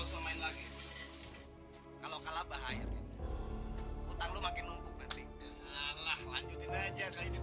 sampai jumpa di video selanjutnya